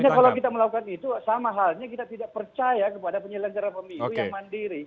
artinya kalau kita melakukan itu sama halnya kita tidak percaya kepada penyelenggara pemilu yang mandiri